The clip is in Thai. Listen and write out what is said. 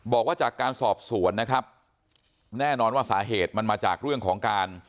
บอกว่าจากการสอบสวนนะครับแน่นอนว่าสาเหตุมันมาจากเรื่องของการ